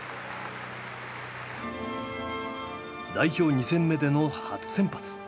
代表２戦目での初先発。